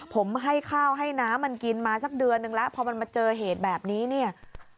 ผมให้ข้าวให้น้ำมันกินมาสักเดือนนึงแล้วพอมันมาเจอเหตุแบบนี้เนี่ย